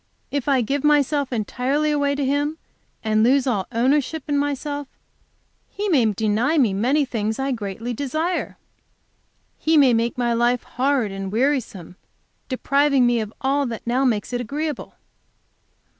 If I give myself entirely away in Him and lose all ownership in myself, He may deny me many things I greatly desire. He may make my life hard and wearisome, depriving me of all that now makes it agreeable.'